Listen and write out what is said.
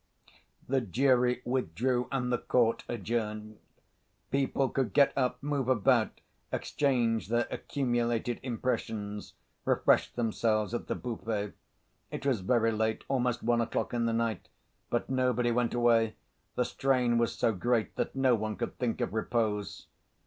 The jury withdrew and the court adjourned. People could get up, move about, exchange their accumulated impressions, refresh themselves at the buffet. It was very late, almost one o'clock in the night, but nobody went away: the strain was so great that no one could think of repose.